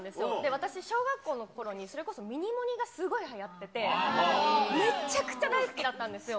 私、小学校のころに、それこそミニモニ。がすごいはやってて、めちゃくちゃ大好きだったんですよ。